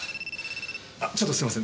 あちょっとすいません。